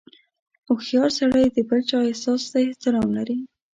• هوښیار سړی د بل چا احساس ته احترام لري.